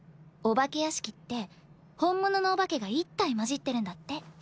お化け屋敷って本物のお化けが１体交じってるんだって。